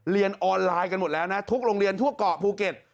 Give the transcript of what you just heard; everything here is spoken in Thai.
เรียนออนไลน์กันหมดแล้วนะทุกโรงเรียนทั่วเกาะภูเก็ต